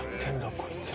こいつら。